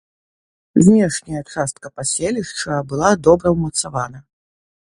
Знешняя частка паселішча была добра ўмацавана.